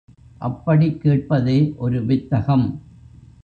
அப்படிக் கேட்பதே ஒரு வித்தகம்.